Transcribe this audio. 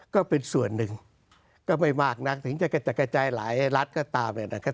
ก็เป็นส่วนหนึ่งก็ไม่มากนักถึงจะกระจัดกระจายหลายรัฐก็ตามเนี่ยนะครับ